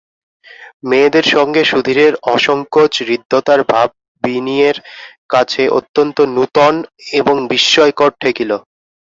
মেয়েদের সঙ্গে সুধীরের অসংকোচ হৃদ্যতার ভাব বিনিয়ের কাছে অত্যন্ত নূতন এবং বিস্ময়কর ঠেকিল।